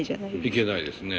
行けないですね。